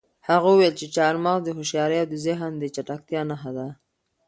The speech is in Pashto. هغه وویل چې چهارمغز د هوښیارۍ او د ذهن د چټکتیا نښه ده.